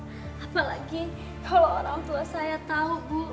apa lagi kalau orang tua saya tahu bu